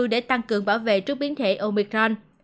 để tăng cường bảo vệ trước biến thể omicron